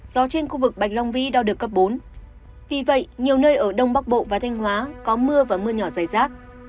gió trên khu vực bạch long vĩ đo được cấp bốn vì vậy nhiều nơi ở đông bắc bộ và thanh hóa có mưa và mưa nhỏ dài rác